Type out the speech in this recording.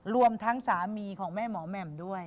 รวมทั้งสามีของแม่หมอแหม่มด้วย